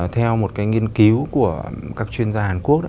theo một cái nghiên cứu của các chuyên gia hàn quốc